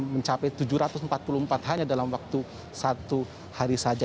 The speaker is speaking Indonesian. mencapai tujuh ratus empat puluh empat hanya dalam waktu satu hari saja